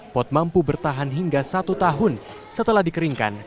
pot mampu bertahan hingga satu tahun setelah dikeringkan